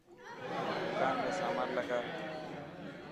دڪان ۾ سامان لگا.